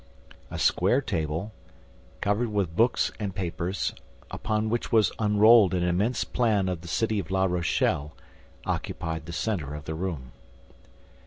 A square table, covered with books and papers, upon which was unrolled an immense plan of the city of La Rochelle, occupied the center of the room.